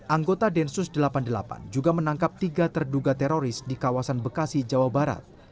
anggota densus delapan puluh delapan juga menangkap tiga terduga teroris di kawasan bekasi jawa barat